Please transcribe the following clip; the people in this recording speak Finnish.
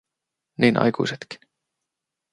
Niin aikuisetkin.